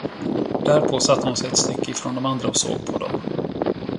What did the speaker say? Därpå satte hon sig ett stycke ifrån de andra och såg på dem.